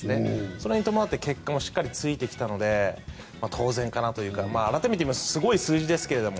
それに伴って結果もしっかりついてきたので当然かなというか改めて見ますとすごい数字ですが。